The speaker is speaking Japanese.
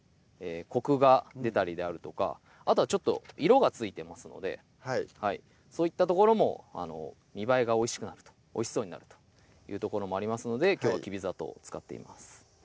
コクが出たりであるとかあとはちょっと色がついてますのでそういったところも見栄えがおいしくなるとおいしそうになるというところもありますのできょうはきび砂糖を使っています